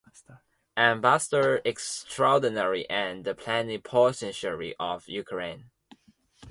Ambassador Extraordinary and Plenipotentiary of Ukraine.